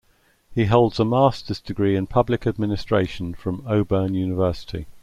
He holds a master's degree in Public Administration from Auburn University.